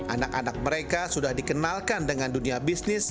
anak anak mereka sudah dikenalkan dengan dunia bisnis